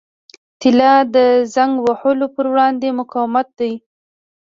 طلا د زنګ وهلو پر وړاندې مقاوم دی.